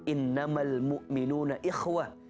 innamal mu'minuna ikhwah